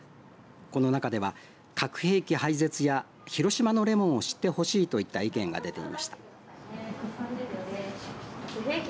この中では核兵器廃絶や広島のレモンを知ってほしいといった意見が出ていました。